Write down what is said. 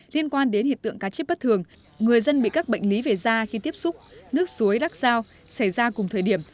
liên quan đến hiện tượng cá chết bất thường người dân bị các bệnh lý về da khi tiếp xúc nước suối đắc giao xảy ra cùng thời điểm